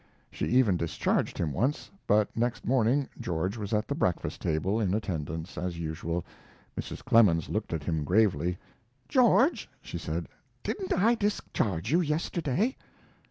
She even discharged him once, but next morning George was at the breakfast table, in attendance, as usual. Mrs. Clemens looked at him gravely: "George," she said, "didn't I discharge you yesterday?"